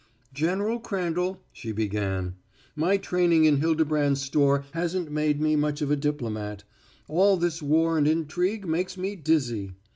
"General Crandall," she began, "my training in Hildebrand's store hasn't made me much of a diplomat. All this war and intrigue makes me dizzy.